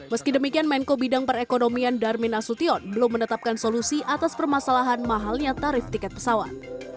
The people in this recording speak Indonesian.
meski demikian menko bidang perekonomian darmin asution belum menetapkan solusi atas permasalahan mahalnya tarif tiket pesawat